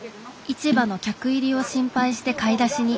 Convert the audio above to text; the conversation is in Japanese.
市場の客入りを心配して買い出しに。